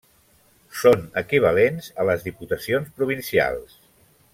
Són equivalents a les diputacions provincials.